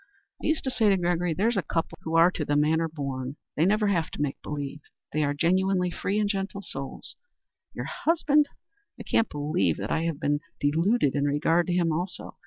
I used to say to Gregory, 'there's a couple who are to the manner born; they never have to make believe. They are genuinely free and gentle souls.' Your husband? I can't believe that I have been deluded in regard to him, also.